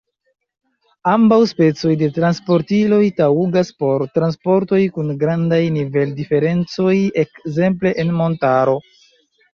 Ambaŭ specoj de transportiloj taŭgas por transportoj kun grandaj nivel-diferencoj, ekzemple en montaro.